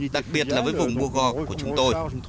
đặc biệt là với vùng bougon của chúng tôi